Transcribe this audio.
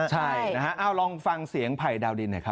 ใช่เอ้าลองฟังเสียงภัยดาวดินนะครับ